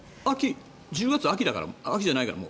１０月はもう秋じゃないからね。